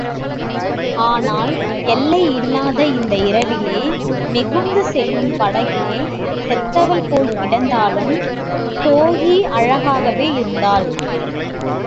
ஆனால் எல்லையில்லாத இந்த இரவிலே, மிதந்து செல்லும் படகிலே, செத்தவள் போல் கிடந்தாலும், ஸோயி அழகாகவே இருந்தாள்.